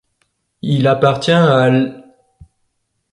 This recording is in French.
Il appartient à l'.